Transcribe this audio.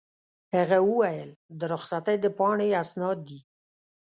هغه وویل: د رخصتۍ د پاڼې اسناد دي.